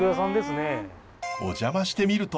お邪魔してみると。